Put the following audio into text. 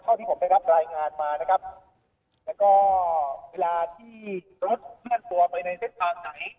ที่ผมได้รับรายงานมานะครับแล้วก็เวลาที่รถเคลื่อนตัวไปในเส้นทางไหน